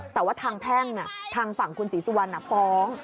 แต่ว่าทางแพร่งทางฝั่งคุณศิสิวัณภอง